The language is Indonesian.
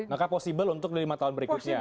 maka possible untuk lima tahun berikutnya